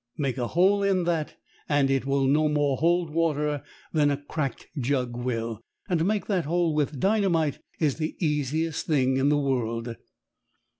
Make a hole in that and it will no more hold water than a cracked jug will. And to make that hole with dynamite is the easiest thing in the world.